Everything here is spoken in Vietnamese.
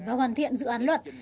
và hoàn thiện dự án luật